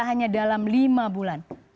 hanya dalam lima bulan